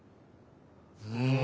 うん。